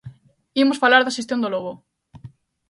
Imos falar da xestión do lobo.